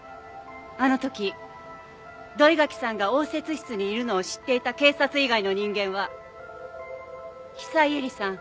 あの時土居垣さんが応接室にいるのを知っていた警察以外の人間は久井絵里さん